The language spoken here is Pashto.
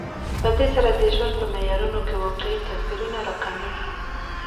په دې سره د ژوند په معیارونو کې واقعي توپیرونه راکمېږي